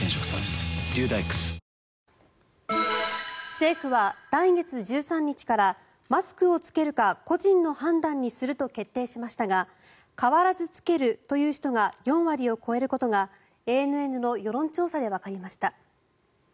政府は来月１３日からマスクを着けるか個人の判断にすると決定しましたが変わらず着けるという人が４割を超えることがＡＮＮの世論調査でわかりました。